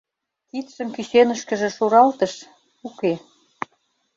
Кидшым кӱсенышкыже шуралтыш - уке.